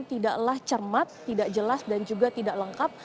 tidaklah cermat tidak jelas dan juga tidak lengkap